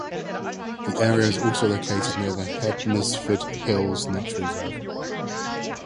The area is also located near the Hednesford Hills Nature Reserve.